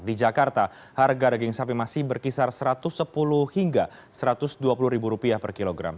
di jakarta harga daging sapi masih berkisar rp satu ratus sepuluh hingga rp satu ratus dua puluh per kilogram